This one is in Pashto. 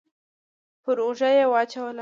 پر اوږه يې واچوله.